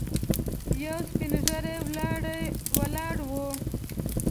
یو سپين ږيری ولاړ و.